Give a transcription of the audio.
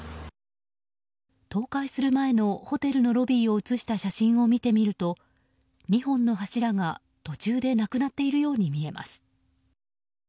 倒壊する前のホテルのロビーを写した写真を見てみると２本の柱が途中でなくなっているように見えます。